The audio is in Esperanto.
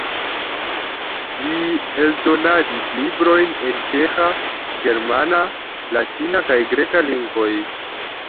Li eldonadis librojn en la ĉeĥa, germana, latina kaj greka lingvoj.